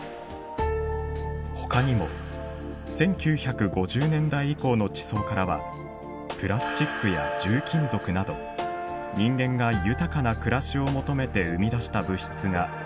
ほかにも１９５０年代以降の地層からはプラスチックや重金属など人間が豊かな暮らしを求めて生み出した物質が検出されています。